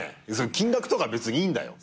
金額とか別にいいんだよ。